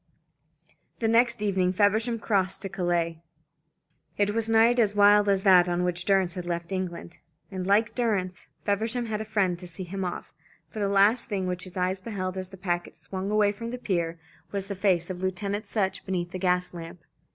The next evening Feversham crossed to Calais. It was a night as wild as that on which Durrance had left England; and, like Durrance, Feversham had a friend to see him off, for the last thing which his eyes beheld as the packet swung away from the pier, was the face of Lieutenant Sutch beneath a gas lamp.